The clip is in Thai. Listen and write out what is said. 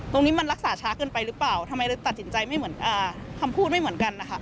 ตรงนี้มันรักษาช้าเกินไปหรือเปล่าทำไมเลยตัดสินใจไม่เหมือนคำพูดไม่เหมือนกันนะคะ